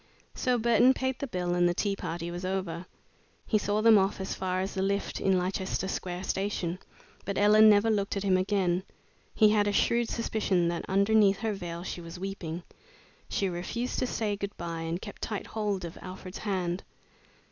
So Burton paid the bill and the tea party was over. He saw them off as far as the lift in Leicester Square Station, but Ellen never looked at him again. He had a shrewd suspicion that underneath her veil she was weeping. She refused to say good bye and kept tight hold of Alfred's hand.